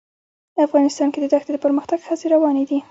افغانستان کې د دښتې د پرمختګ هڅې روانې دي.